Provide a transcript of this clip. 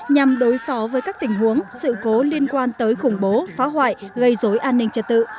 nhằm đối phó với các tình huống sự cố liên quan tới khủng bố phá hoại gây dối an ninh trật tự